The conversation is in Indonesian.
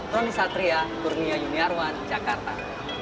roni satria kurnia yuniarwan jakarta